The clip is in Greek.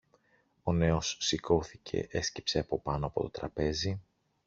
Ο νέος σηκώθηκε, έσκυψε από πάνω από το τραπέζι